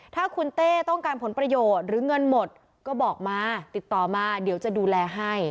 ถ้าคุณเต้ต้องการผลประโยชน์หรือเงินหมดก็บอกมาติดต่อมาเดี๋ยวจะดูแลให้